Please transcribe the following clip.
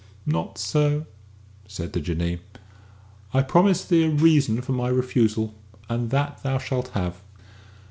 "Not so," said the Jinnee; "I promised thee a reason for my refusal and that thou shalt have.